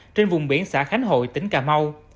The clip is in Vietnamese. trên vùng biển xã khánh hội tỉnh cà mau